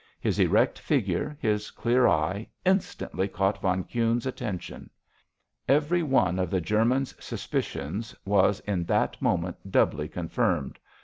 His erect figure, his clear eye, instantly caught von Kuhne's attention; every one of the German's suspicions was in that moment doubly confirmed.